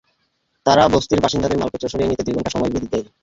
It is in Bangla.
তারা বস্তির বাসিন্দাদের মালপত্র সরিয়ে নিতে দুই ঘণ্টা সময় বেঁধে দেয়।